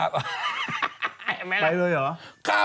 ไปเลยเหรอ